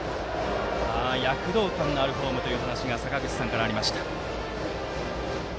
躍動感のあるフォームというお話が坂口さんからありました。